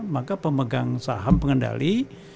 maka pemegang saham pengendali